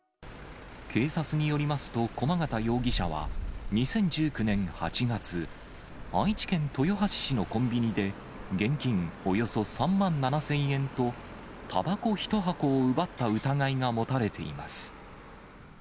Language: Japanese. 警察によりますと駒形容疑者は２０１９年８月、愛知県豊橋市のコンビニで、現金およそ３万７０００円と、たばこ１箱を奪った疑いが持たれています。